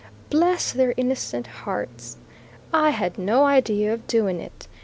Bless their innocent hearts! I had no idea of doing it.